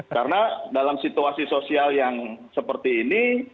karena dalam situasi sosial yang seperti ini